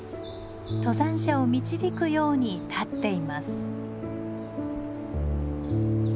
登山者を導くように立っています。